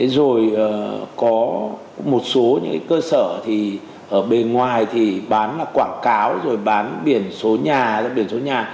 rồi có một số những cơ sở thì ở bên ngoài thì bán quảng cáo rồi bán biển số nhà